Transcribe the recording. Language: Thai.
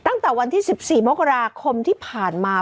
ตั้งแต่วันที่๑๔มกราคมที่ผ่านมา